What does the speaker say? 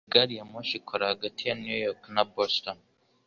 Iyi gari ya moshi ikora hagati ya New York na Boston.